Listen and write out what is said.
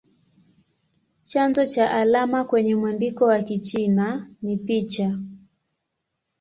Chanzo cha alama kwenye mwandiko wa Kichina ni picha.